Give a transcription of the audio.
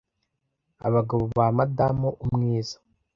Abagabo ba Madam Umwiza